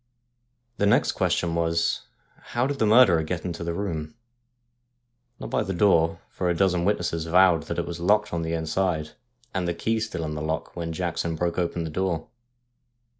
The next question was : How did the murderer get into the room ? Not by the door, for a dozen witnesses vowed that it was locked on the inside, the key still in the lock, when Jackson broke open tlje door.